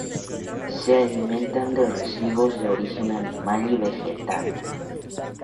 Se alimentan de residuos de origen animal y vegetal.